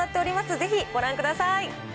ぜひご覧ください。